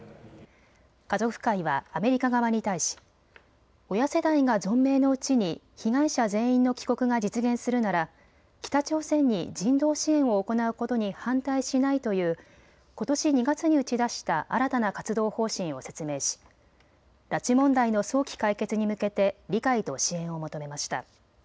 家族会はアメリカ側に対し親世代が存命のうちに被害者全員の帰国が実現するなら北朝鮮に人道支援を行うことに反対しないということし２月に打ち出した新たな活動方針を説明し拉致問題の早期解決に向けて理解と支援を求めました。